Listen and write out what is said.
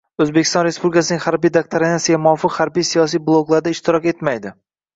O‘zbekiston Respublikasining Harbiy doktrinasiga muvofiq harbiy-siyosiy bloklarda ishtirok etmaydi.